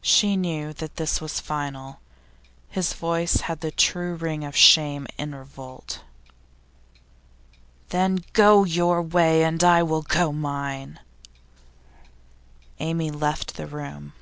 She knew that this was final. His voice had the true ring of shame in revolt. 'Then go your way, and I will go mine!' Amy left the room.